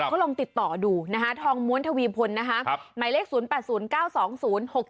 ก็ลองติดต่อดูนะคะทองม้วนทวีพลนะคะหมายเลข๐๘๐๙๒๐๖๗